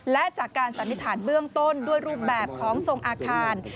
และจากการสันนิษฐานเบื้องต้นด้วยรูปแบบของทรงอาคาร